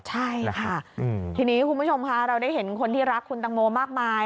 ใช่ค่ะทีนี้คุณผู้ชมค่ะเราได้เห็นคนที่รักคุณตังโมมากมาย